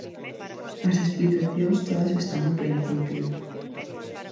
As explicacións todas están ao principio.